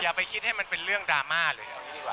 อย่าไปคิดให้มันเป็นเรื่องดราม่าเลย